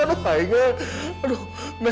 aduh aduh aduh